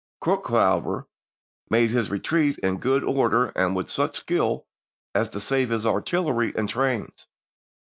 Crook, however, made his retreat in good order and with such skill as to save his artillery and trains.